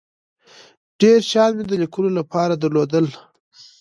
ډیر شیان مې د لیکلو له پاره درلودل.